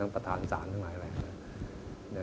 ประธานศาลทั้งหลายอะไร